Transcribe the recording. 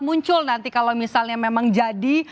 muncul nanti kalau misalnya memang jadi